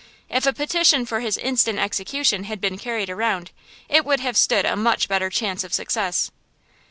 If a petition for his instant execution had been carried around it would have stood a much better chance of success.